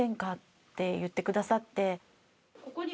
って言ってくださって。